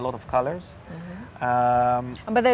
tapi tidak ada batasnya